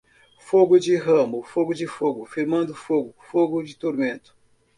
Fogo de ramo, fogo de fogo; Firmando fogo, fogo de tormento.